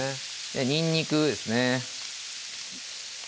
にんにくですね